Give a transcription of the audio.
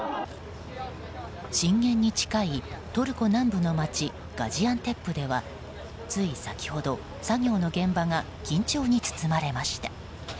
震源に近いトルコ南部の街ガジアンテップではつい先ほど、作業の現場が緊張に包まれました。